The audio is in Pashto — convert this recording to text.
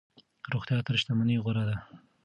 روغتیا تر شتمنۍ غوره ده.